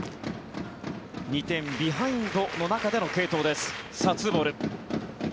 ２点ビハインドの中での継投です。